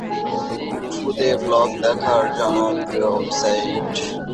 খুদে ব্লগ লেখার জনপ্রিয় ওয়েবসাইট টুইটারের জনপ্রিয়তা ধীরে ধীরে বেশ বেড়েই চলেছে।